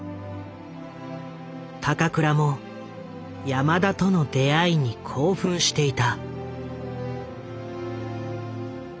高倉も山田との出会いに興奮していた。